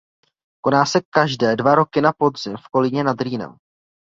Koná se každé dva roky na podzim v Kolíně nad Rýnem.